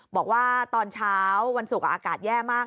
บอกว่าตอนเช้าวันศุกร์อากาศแย่มาก